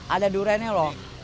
ada duriannya loh